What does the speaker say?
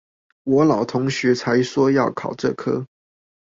我老同學才說要考這科